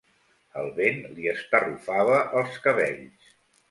El vent li estarrufava els cabells.